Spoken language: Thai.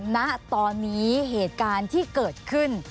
ณตอนนี้เหตุการณ์ที่เกิดขึ้น